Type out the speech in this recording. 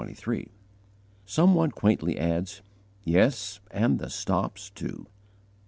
Some one quaintly adds, "Yes, and the _stops, too!"